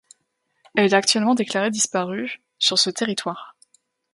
Elle est actuellement déclarée disparue sur ce territoire.